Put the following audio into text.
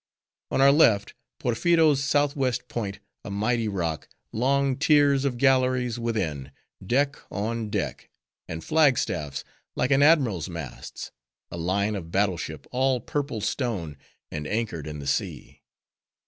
On our left, Porpheero's southwest point, a mighty rock, long tiers of galleries within, deck on deck; and flag staffs, like an admiral's masts: a line of battle ship, all purple stone, and anchored in the sea.